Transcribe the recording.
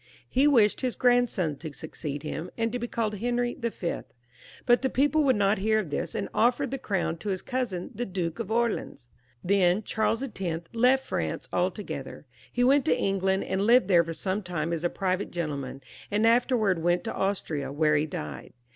He wished his grand non to succeed him, and to be called Henry Y., but the people would not hear of this, and offered the crown to his cousin, the Duke of Orleans. Then Charles X. left France altoKother. He went to England and lived there for some time as a private gentleman, and afterwards went to Austria, where he died.